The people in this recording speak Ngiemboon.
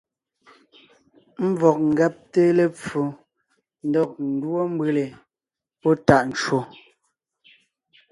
Ḿvɔg ńgabte lepfo ndɔg ńdúɔ mbʉ̀le pɔ́ tàʼ ncwò.